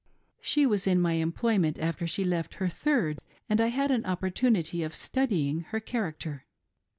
She was in my employment after she left her third," and I had an opportunity of studying her character.